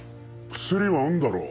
薬はあんだろ？